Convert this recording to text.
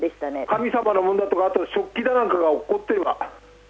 神様のものだとか、あと食器棚とかが落っこって。